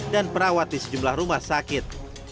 dan perawat di sejumlah rumah sakit